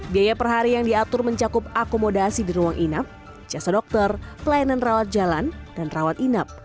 biaya per hari yang diatur mencakup akomodasi di ruang inap jasa dokter pelayanan rawat jalan dan rawat inap